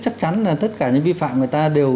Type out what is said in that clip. chắc chắn là tất cả những vi phạm người ta đều